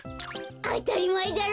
あたりまえだろ。